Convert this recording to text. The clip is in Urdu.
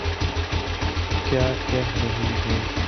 کیا کہہ رہی ہیں۔